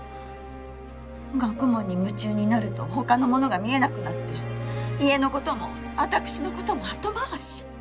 学問に夢中になるとほかのものが見えなくなって家のことも私のことも後回し。